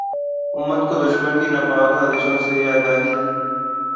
امت کو دشمن کی ناپاک سازشوں سے آگاہی